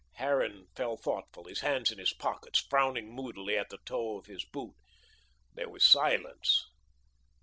Harran fell thoughtful, his hands in his pockets, frowning moodily at the toe of his boot. There was a silence.